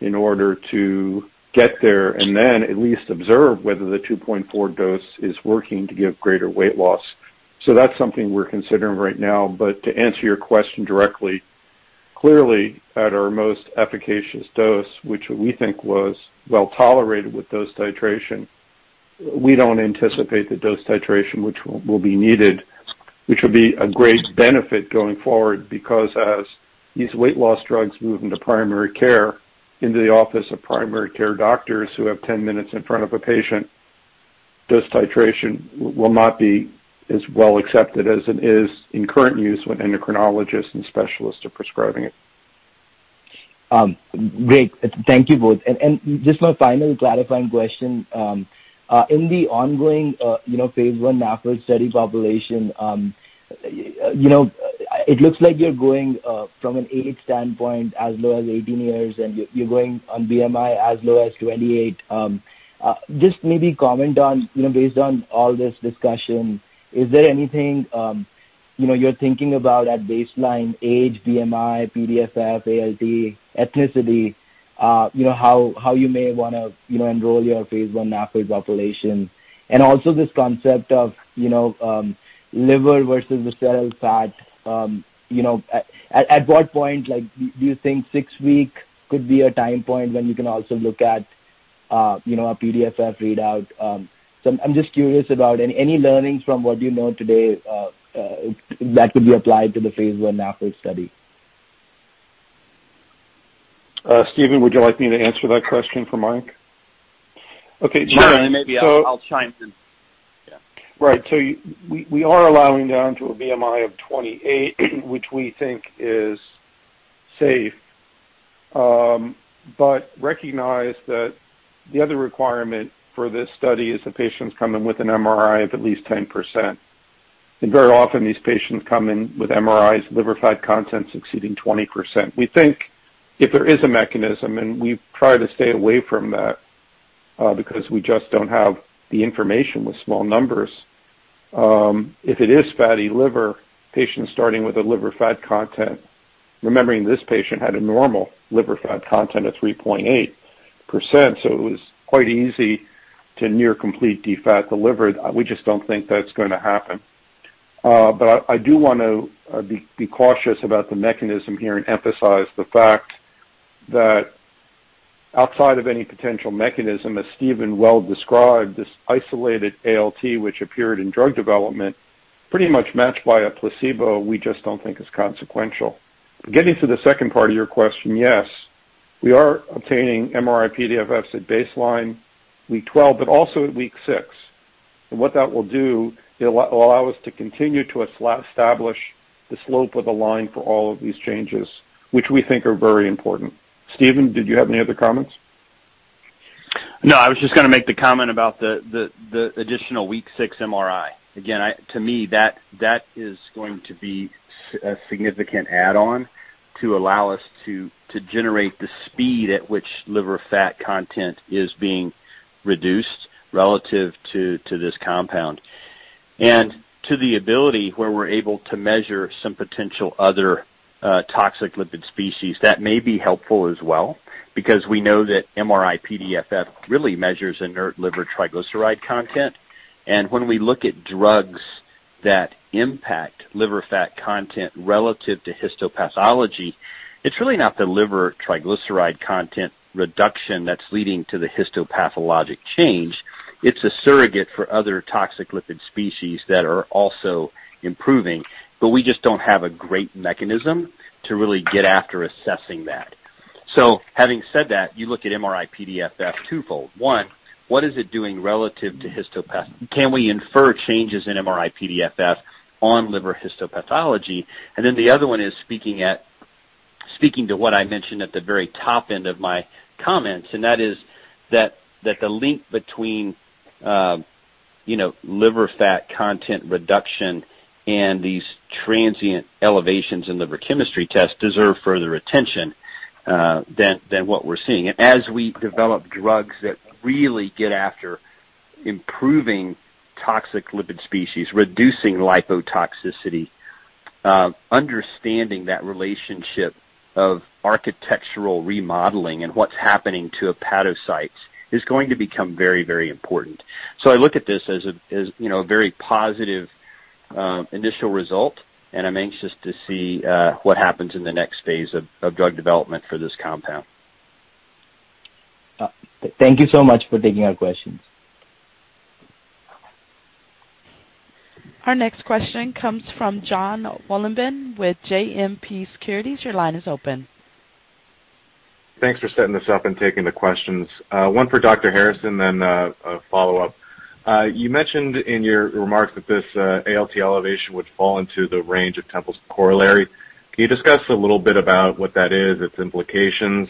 in order to get there and then at least observe whether the 2.4 dose is working to give greater weight loss. That's something we're considering right now. To answer your question directly, clearly, at our most efficacious dose, which we think was well tolerated with dose titration, we don't anticipate the dose titration, which will be needed, which will be a great benefit going forward because as these weight loss drugs move into primary care, into the office of primary care doctors who have 10 minutes in front of a patient, dose titration will not be as well accepted as it is in current use when endocrinologists and specialists are prescribing it. Great. Thank you both. Just my final clarifying question. In the ongoing phase I NAFL study population, it looks like you're going, from an age standpoint, as low as 18 years, and you're going on BMI as low as 28. Just maybe comment on, based on all this discussion, is there anything you're thinking about at baseline, age, BMI, PDFF, ALT, ethnicity, how you may want to enroll your phase I NAFL population. Also this concept of liver versus visceral fat. At what point, do you think six weeks could be a time point when you can also look at a PDFF readout? I'm just curious about any learnings from what you know today that could be applied to the phase I NAFL study. Stephen, would you like me to answer that question for Mayank? Okay. Sure. Maybe I'll chime in. Yeah. Right. We are allowing down to a BMI of 28, which we think is safe. Recognize that the other requirement for this study is the patients come in with an MRI of at least 10%. Very often, these patients come in with MRIs, liver fat content exceeding 20%. We think if there is a mechanism, and we try to stay away from that because we just don't have the information with small numbers, if it is fatty liver, patients starting with a liver fat content, remembering this patient had a normal liver fat content of 3.8%, so it was quite easy to near completely defat the liver. We just don't think that's going to happen. I do want to be cautious about the mechanism here and emphasize the fact that outside of any potential mechanism, as Stephen well-described, this isolated ALT, which appeared in drug development, pretty much matched by a placebo, we just don't think is consequential. Getting to the second part of your question, yes, we are obtaining MRI-PDFFs at baseline, week 12, but also at week six What that will do, it'll allow us to continue to establish the slope of the line for all of these changes, which we think are very important. Stephen, did you have any other comments? No, I was just going to make the comment about the additional week 6 MRI. Again, to me, that is going to be a significant add-on. To allow us to generate the speed at which liver fat content is being reduced relative to this compound and to the ability where we're able to measure some potential other toxic lipid species. That may be helpful as well, because we know that MRI-PDFF really measures inert liver triglyceride content. When we look at drugs that impact liver fat content relative to histopathology, it's really not the liver triglyceride content reduction that's leading to the histopathologic change. It's a surrogate for other toxic lipid species that are also improving, but we just don't have a great mechanism to really get after assessing that. Having said that, you look at MRI-PDFF twofold. One, what is it doing relative to histopathology? Can we infer changes in MRI-PDFF on liver histopathology? The other one is speaking to what I mentioned at the very top end of my comments, and that is that the link between liver fat content reduction and these transient elevations in liver chemistry tests deserve further attention than what we're seeing. As we develop drugs that really get after improving toxic lipid species, reducing lipotoxicity, understanding that relationship of architectural remodeling and what's happening to hepatocytes is going to become very important. I look at this as a very positive initial result, and I'm anxious to see what happens in the next phase of drug development for this compound. Thank you so much for taking our questions. Our next question comes from Jonathan Wolleben with JMP Securities. Your line is open. Thanks for setting this up and taking the questions. One for Dr. Harrison, a follow-up. You mentioned in your remarks that this ALT elevation would fall into the range of Temple's Corollary. Can you discuss a little bit about what that is, its implications?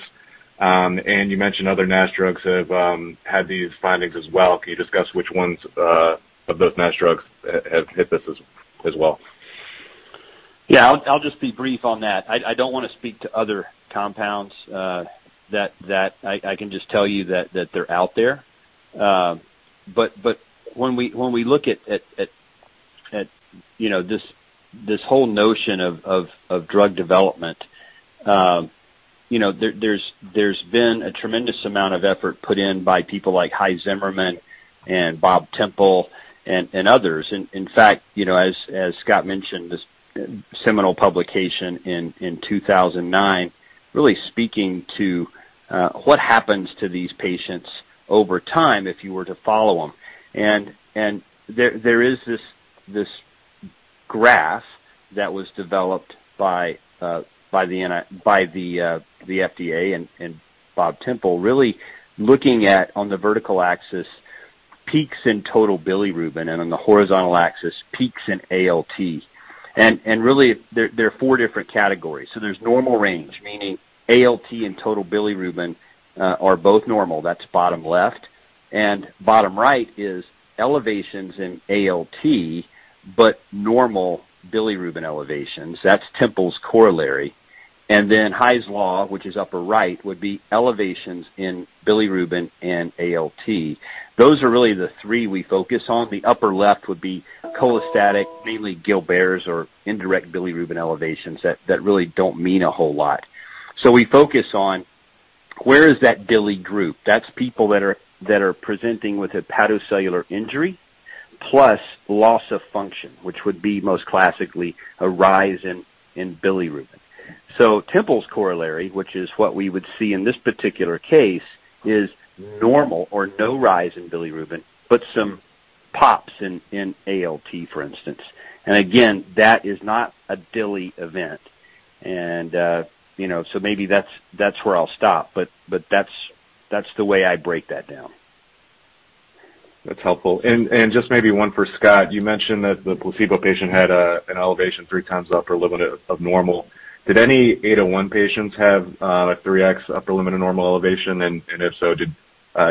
You mentioned other NASH drugs have had these findings as well. Can you discuss which ones of those NASH drugs have hit this as well? Yeah, I'll just be brief on that. I don't want to speak to other compounds. I can just tell you that they're out there. When we look at this whole notion of drug development, there's been a tremendous amount of effort put in by people like Hy Zimmerman and Bob Temple and others. In fact, as Scott mentioned, this seminal publication in 2009 really speaking to what happens to these patients over time if you were to follow them. There is this graph that was developed by the FDA and Bob Temple really looking at, on the vertical axis, peaks in total bilirubin, and on the horizontal axis, peaks in ALT. Really, there are four different categories. There's normal range, meaning ALT and total bilirubin are both normal. That's bottom left. Bottom right is elevations in ALT, but normal bilirubin elevations. That's Temple's corollary. Hy's Law, which is upper right, would be elevations in bilirubin and ALT. Those are really the three we focus on. The upper left would be cholestatic, mainly Gilbert's or indirect bilirubin elevations that really don't mean a whole lot. We focus on where is that DILI group. That's people that are presenting with hepatocellular injury plus loss of function, which would be most classically a rise in bilirubin. Temple's Corollary, which is what we would see in this particular case, is normal or no rise in bilirubin, but some pops in ALT, for instance. Again, that is not a DILI event. Maybe that's where I'll stop. That's the way I break that down. That's helpful. Just maybe one for Scott. You mentioned that the placebo patient had an elevation 3x upper limit of normal. Did any ALT-801 patients have 3x upper limit of normal elevation? If so, did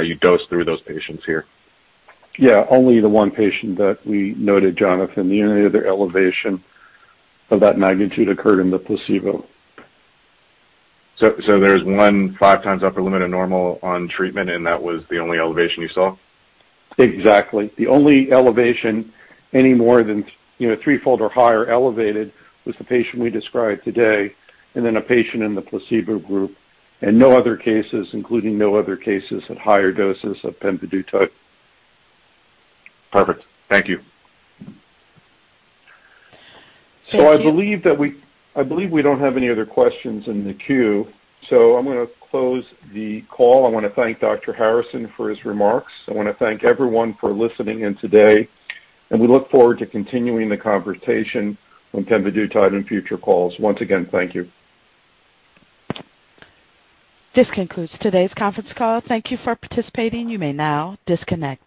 you dose through those patients here? Yeah, only the one patient that we noted, Jonathan. The only other elevation of that magnitude occurred in the placebo. There's 1.5 times upper limit of normal on treatment, and that was the only elevation you saw? Exactly. The only elevation any more than threefold or higher elevated was the patient we described today, and then a patient in the placebo group, and no other cases, including no other cases at higher doses of pemvidutide. Perfect. Thank you. Thank you. I believe we don't have any other questions in the queue. I'm going to close the call. I want to thank Dr. Stephen Harrison for his remarks. I want to thank everyone for listening in today, and we look forward to continuing the conversation on pemvidutide in future calls. Once again, thank you. This concludes today's conference call. Thank you for participating. You may now disconnect.